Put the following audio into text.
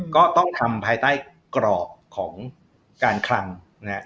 ก็ต้องทำภายใต้กรอบของการคลังนะฮะ